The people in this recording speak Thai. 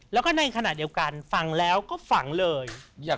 แล้วก็ในขณะเดียวกันฟังแล้วก็ฝังเลย